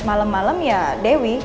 malem malem ya dewi